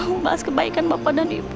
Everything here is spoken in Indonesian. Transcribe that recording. membahas kebaikan bapak dan ibu